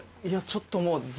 いやちょっともう。